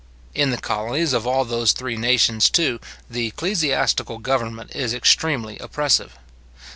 In the colonies of all those three nations, too, the ecclesiastical government is extremely oppressive.